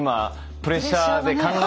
プレッシャーがねえ？